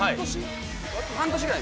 半年ぐらい？